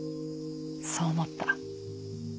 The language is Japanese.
そう思った。